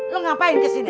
lo ngapain kesini